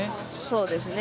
そうですね